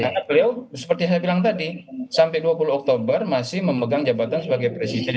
karena beliau seperti yang saya bilang tadi sampai dua puluh oktober masih memegang jabatan sebagai presiden